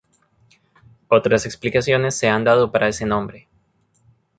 Otras explicaciones se han dado para ese nombre.